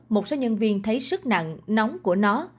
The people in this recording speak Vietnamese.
một số nhân viên thấy sức nặng nóng của nó